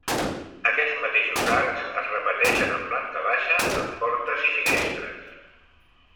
Aquests mateixos arcs es repeteixen en planta baixa en portes i finestres.